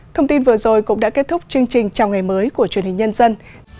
thông tin vừa rồi cũng đã kết thúc chương trình chào ngày mới của truyền hình nhân dân